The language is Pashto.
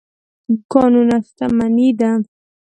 کانونه شتمني ده.